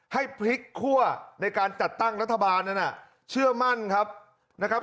ให้พลิกคั่วในการจัดตั้งรัฐบาลนั้นเชื่อมั่นครับนะครับ